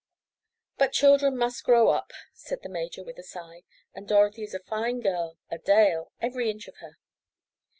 "But children must grow up," said the major with a sigh, "and Dorothy is a fine girl—a Dale—every inch of her!"